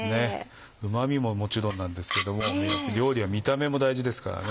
うま味ももちろんなんですけども料理は見た目も大事ですからね。